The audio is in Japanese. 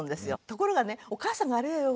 ところがねお母さんがあれよ